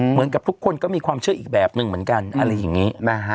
เหมือนกับทุกคนก็มีความเชื่ออีกแบบหนึ่งเหมือนกันอะไรอย่างนี้นะฮะ